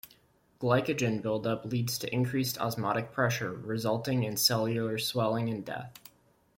Glycogen buildup leads to increased osmotic pressure resulting in cellular swelling and death.